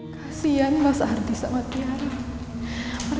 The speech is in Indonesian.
kasihan mas arti sama tiara